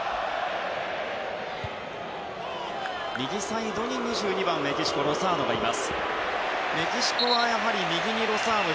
右サイドに２２番、メキシコロサーノ。